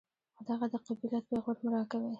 خو دغه د قبيلت پېغور مه راکوئ.